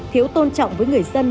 thiếu tôn trọng với người dân